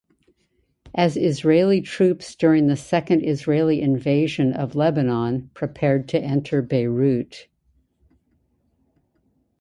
As Israeli troops during the second Israeli invasion of Lebanon prepared to enter Beirut.